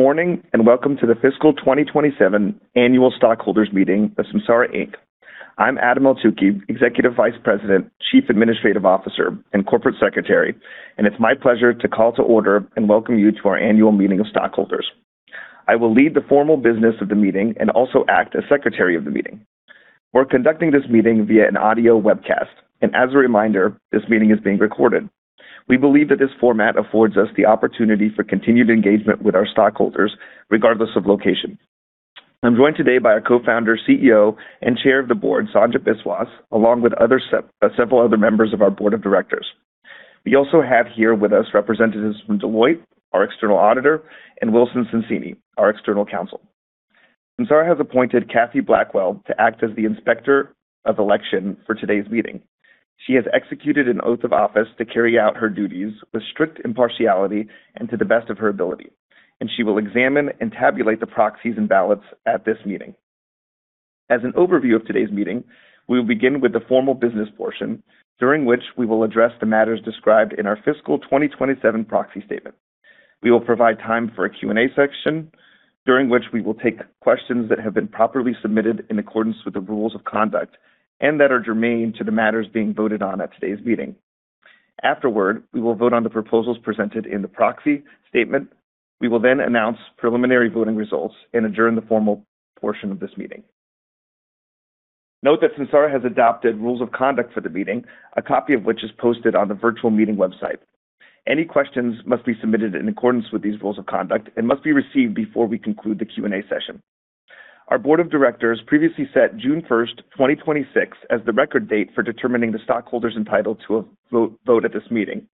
Morning, welcome to the fiscal 2027 annual stockholders meeting of Samsara Inc. I'm Adam Eltoukhy, Executive Vice President, Chief Administrative Officer, and Corporate Secretary, it's my pleasure to call to order and welcome you to our annual meeting of stockholders. I will lead the formal business of the meeting also act as secretary of the meeting. We're conducting this meeting via an audio webcast, as a reminder, this meeting is being recorded. We believe that this format affords us the opportunity for continued engagement with our stockholders, regardless of location. I'm joined today by our Co-founder, CEO, and Chair of the Board, Sanjit Biswas, along with several other members of our board of directors. We also have here with us representatives from Deloitte, our external auditor, and Wilson Sonsini, our external counsel. Samsara has appointed Kathy Blackwell to act as the Inspector of Election for today's meeting. She has executed an oath of office to carry out her duties with strict impartiality and to the best of her ability, she will examine and tabulate the proxies and ballots at this meeting. As an overview of today's meeting, we will begin with the formal business portion, during which we will address the matters described in our fiscal 2027 proxy statement. We will provide time for a Q&A section, during which we will take questions that have been properly submitted in accordance with the rules of conduct and that are germane to the matters being voted on at today's meeting. Afterward, we will vote on the proposals presented in the proxy statement. We will announce preliminary voting results and adjourn the formal portion of this meeting. Note that Samsara has adopted rules of conduct for the meeting, a copy of which is posted on the virtual meeting website. Any questions must be submitted in accordance with these rules of conduct and must be received before we conclude the Q&A session. Our board of directors previously set June 1st, 2026, as the record date for determining the stockholders entitled to a vote at this meeting.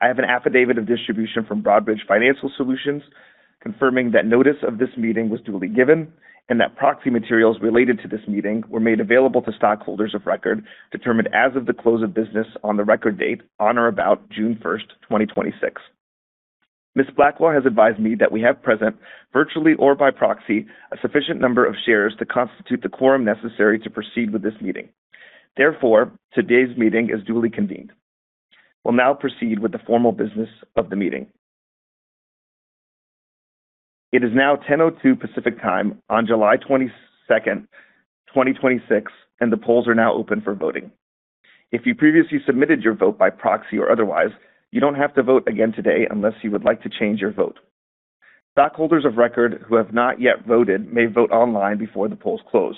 I have an affidavit of distribution from Broadridge Financial Solutions confirming that notice of this meeting was duly given that proxy materials related to this meeting were made available to stockholders of record determined as of the close of business on the record date on or about June 1st, 2026. Ms. Blackwell has advised me that we have present, virtually or by proxy, a sufficient number of shares to constitute the quorum necessary to proceed with this meeting. Today's meeting is duly convened. We'll now proceed with the formal business of the meeting. It is now 10:02 A.M. Pacific Time on July 22nd, 2026, the polls are now open for voting. If you previously submitted your vote by proxy or otherwise, you don't have to vote again today unless you would like to change your vote. Stockholders of record who have not yet voted may vote online before the polls close.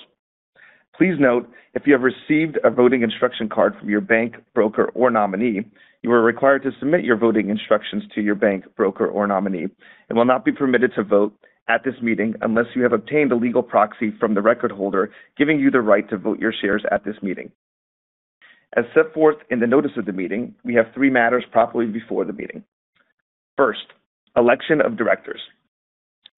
Please note, if you have received a voting instruction card from your bank, broker, or nominee, you are required to submit your voting instructions to your bank, broker, or nominee will not be permitted to vote at this meeting unless you have obtained a legal proxy from the record holder giving you the right to vote your shares at this meeting. As set forth in the notice of the meeting, we have three matters properly before the meeting. First, election of directors.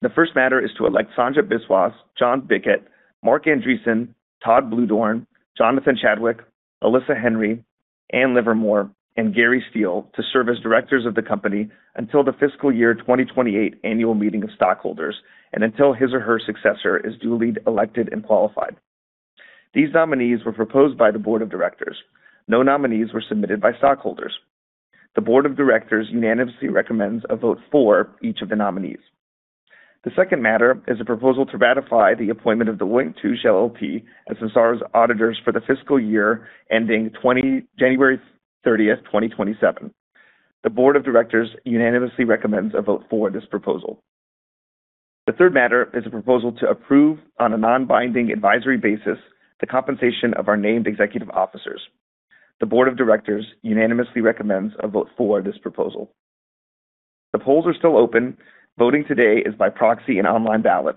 The first matter is to elect Sanjit Biswas, John Bicket, Marc Andreessen, Todd Bluedorn, Jonathan Chadwick, Alyssa Henry, Ann Livermore, and Gary Steele to serve as directors of the company until the fiscal year 2028 annual meeting of stockholders and until his or her successor is duly elected and qualified. These nominees were proposed by the Board of Directors. No nominees were submitted by stockholders. The Board of Directors unanimously recommends a vote for each of the nominees. The second matter is a proposal to ratify the appointment of Deloitte & Touche LLP as Samsara's auditors for the fiscal year ending January 30th, 2027. The Board of Directors unanimously recommends a vote for this proposal. The third matter is a proposal to approve on a non-binding advisory basis the compensation of our named executive officers. The Board of Directors unanimously recommends a vote for this proposal. The polls are still open. Voting today is by proxy and online ballot.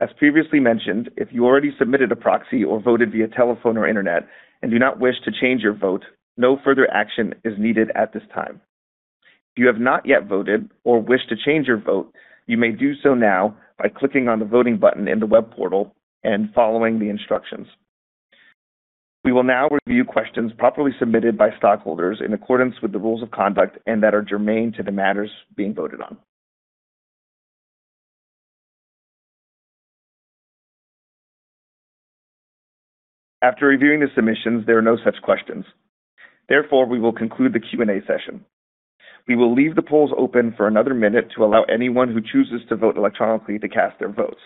As previously mentioned, if you already submitted a proxy or voted via telephone or Internet and do not wish to change your vote, no further action is needed at this time. If you have not yet voted or wish to change your vote, you may do so now by clicking on the voting button in the web portal and following the instructions. We will now review questions properly submitted by stockholders in accordance with the rules of conduct and that are germane to the matters being voted on. After reviewing the submissions, there are no such questions. Therefore, we will conclude the Q&A session. We will leave the polls open for another minute to allow anyone who chooses to vote electronically to cast their votes.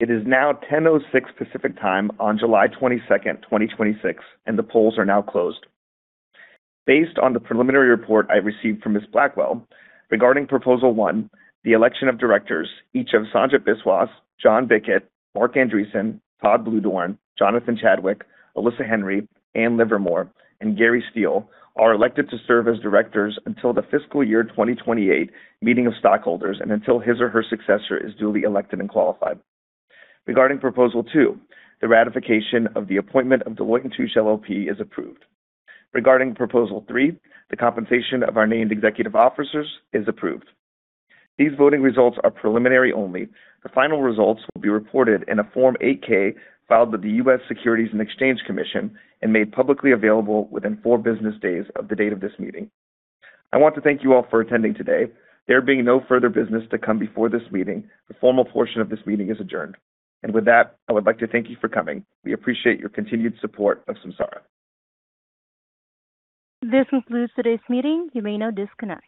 It is now 10:06 A.M. Pacific Time on July 22nd, 2026, and the polls are now closed. Based on the preliminary report I received from Ms. Blackwell, regarding proposal one, the election of directors, each of Sanjit Biswas, John Bicket, Marc Andreessen, Todd Bluedorn, Jonathan Chadwick, Alyssa Henry, Ann Livermore, and Gary Steele are elected to serve as directors until the fiscal year 2028 meeting of stockholders and until his or her successor is duly elected and qualified. Regarding proposal two, the ratification of the appointment of Deloitte & Touche LLP is approved. Regarding proposal three, the compensation of our named executive officers is approved. These voting results are preliminary only. The final results will be reported in a Form 8-K filed with the U.S. Securities and Exchange Commission and made publicly available within four business days of the date of this meeting. I want to thank you all for attending today. There being no further business to come before this meeting, the formal portion of this meeting is adjourned. With that, I would like to thank you for coming. We appreciate your continued support of Samsara. This concludes today's meeting. You may now disconnect.